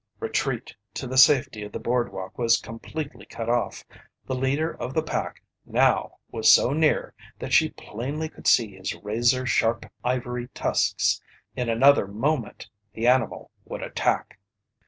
Retreat to the safety of the boardwalk was completely cut off. The leader of the pack now was so near that she plainly could see his razor sharp ivory tusks. In another moment, the animal would attack.